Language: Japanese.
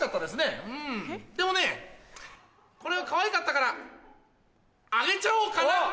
でもねこれはかわいかったからあげちゃおうかな！